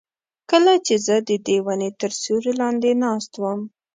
کله چې زه ددې ونې تر سیوري لاندې ناست وم.